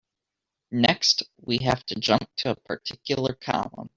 Next, we have to jump to a particular column.